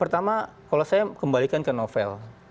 pertama kalau saya kembalikan ke novel